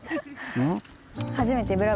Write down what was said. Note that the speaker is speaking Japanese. うん。